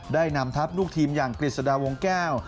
ได้นำทัพลูกทีมอย่างกฤษฎาวงแก้ว